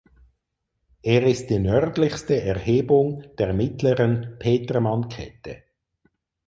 Er ist die nördlichste Erhebung der Mittleren Petermannkette.